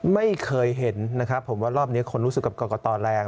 ไม่เคยเห็นนะครับผมว่ารอบนี้คนรู้สึกกับกรกตแรง